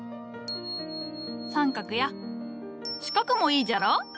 三角や四角もいいじゃろ？